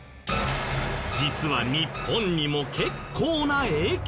実は日本にも結構な影響が。